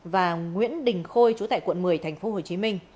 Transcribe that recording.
và nguyễn đình khôi chủ tại quận một mươi tp hcm